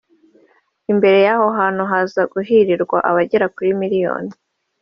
imbere y’aho hantu haza guhurirwa n’abagera kuri miliyoni